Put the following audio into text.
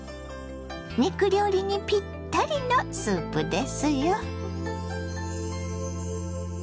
肉料理にぴったりのスープですよ。